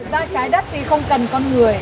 thực ra trái đất thì không cần con người